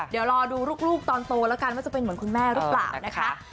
เดี๋ยวรอดูลูกตอนโตแล้วกันว่าจะเป็นเหมือนคุณแม่หรือเปล่านะคะ